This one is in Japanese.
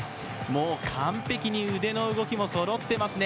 もう完璧に腕の動きもそろってますね。